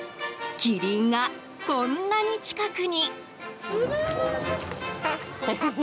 キリンがこんなに近くに。